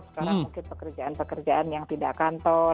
sekarang mungkin pekerjaan pekerjaan yang tidak kantor